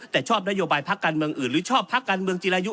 แต่ชอบนโยบายพักการเมืองอื่นหรือชอบพักการเมืองจีรายุ